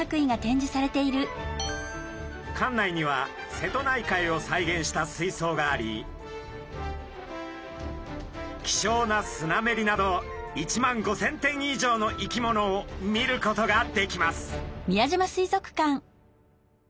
館内には瀬戸内海を再現した水そうがあり希少なスナメリなど１万５，０００点以上の生き物を見ることができます。